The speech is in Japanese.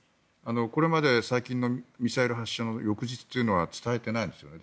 これまで最近のミサイル発射の翌日というのは伝えていないんですよね。